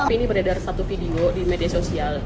tapi ini beredar satu video di media sosial